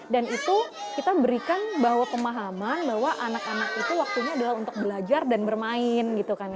dan itu kita berikan bahwa pemahaman bahwa anak anak itu waktunya adalah untuk belajar dan bermain